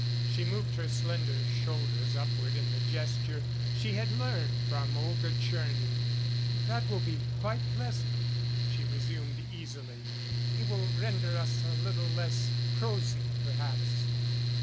She moved her slender shoulders upward in the ges ture she had learned from Olga Tcherny. "That will be quite pleasant," she resumed, easily. "He will render us a little less prosy, perhaps."